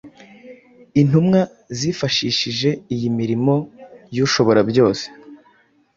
Intumwa zifashishije iyi mirimo y’Ushoborabyose,